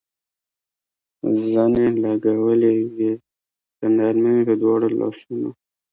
زنې لګولې وې، په نرمۍ مې په دواړو لاسونو.